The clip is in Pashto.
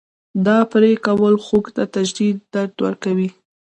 دا پرې کول خوک ته شدید درد ورکوي.